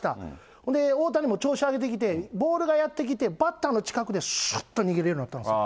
ほんで大谷も調子上げてきて、ボールがやって来て、バッターの近くでしゅっと逃げれるようになったんですよ。